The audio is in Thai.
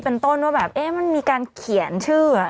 เป็นต้นว่าแบบเอ๊ะมันมีการเขียนชื่อ